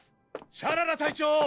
シャララ隊長！